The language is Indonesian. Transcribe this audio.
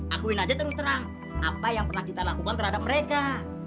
akuin aja terus terang apa yang pernah kita lakukan terhadap mereka